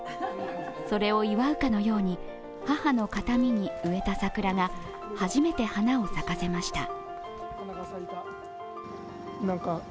それを祝うかのように母の形見に植えた桜が初めて花を咲かせました。